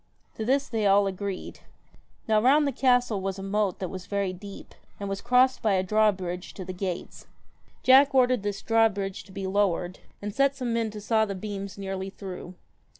To this they all agreed. Now round the castle was a moat that was very deep, and was crossed by a drawbridge to the gates. Jack ordered this drawbridge to be lowered, and set some men to saw the beams nearly through.